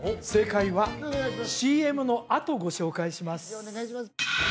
正解はＣＭのあとご紹介します